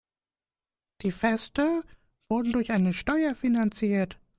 Die Feste wurden durch eine Steuer finanziert.